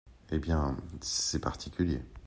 Eh bien, c’est particulier…